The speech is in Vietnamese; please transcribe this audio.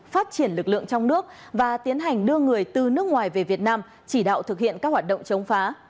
phát triển lực lượng trong nước và tiến hành đưa người từ nước ngoài về việt nam chỉ đạo thực hiện các hoạt động chống phá